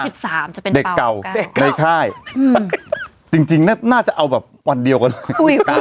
ใช่จริงน่าจะเอาแบบวันเดียวกัน